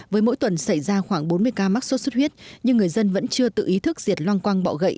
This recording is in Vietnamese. với mỗi tuần xảy ra khoảng bốn mươi ca mắc sốt xuất huyết nhưng người dân vẫn chưa tự ý thức diệt loang quang bọ gậy